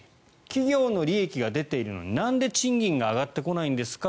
企業の利益が出ているのになんで賃金が上がってこないんですか。